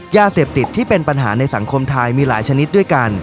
ยาเสพติดที่เป็นปัญหาในสังคมไทยมีหลายชนิดด้วยกัน